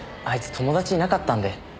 あいつ友達いなかったんで。